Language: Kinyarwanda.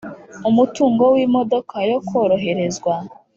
Umutungo w imodoka yo koroherezwa